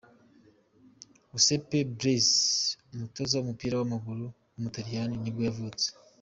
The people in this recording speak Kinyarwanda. Giuseppe Baresi, umutoza w’umupira w’amaguru w’umutaliyani ni bwo yavutse.